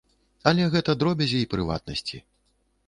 Але гэта дробязі і прыватнасці.